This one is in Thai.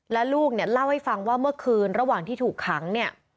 และลูกเนี่ยเล่าให้ฟังว่าเมื่อคืนระหว่างที่ถูกขังเนี่ย